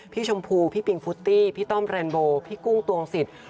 ชมพูพี่ปิงฟุตตี้พี่ต้อมเรนโบพี่กุ้งตวงศิษย์